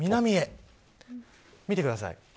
南へ、見てください。